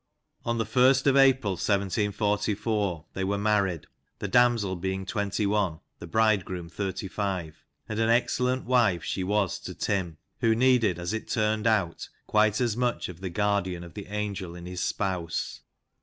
On the I St of April 1744, they were married (the damsel being twenty one, the bridegroom thirty five), and an excel lent wife she was to Tim, who needed, as it turned out, quite as much of the guardian as of the angel in his spouse.